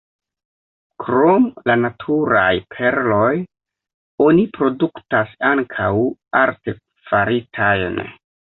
Krom la naturaj perloj oni produktas ankaŭ artefaritajn.